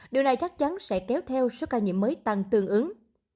điều này chắc chắn sẽ kéo theo số ca nhiễm mới tăng tương ứng